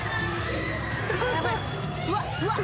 うわっうわっ！